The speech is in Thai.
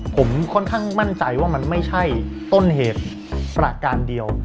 ผมค่อนข้างมั่นใจว่ามันไม่ใช่ต้นเหตุประการเดียว